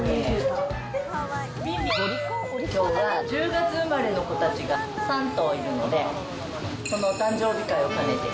１０月生まれの子たちが３頭いるので、そのお誕生日会を兼ねて。